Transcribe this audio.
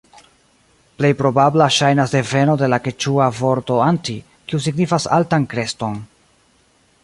Plej probabla ŝajnas deveno de la keĉua vorto "anti", kiu signifas altan kreston.